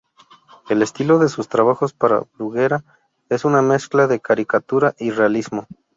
El estilo de sus trabajos para Bruguera es una mezcla de caricatura y realismo.